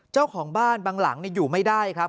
เจ้าของบ้านบางหลังอยู่ไม่ได้ครับ